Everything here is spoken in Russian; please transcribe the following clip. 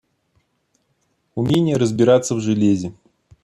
Умение разбираться в железе